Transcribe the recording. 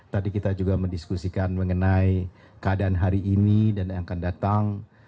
tadi kita juga mendiskusikan mengenai keadaan hari ini dan yang akan datang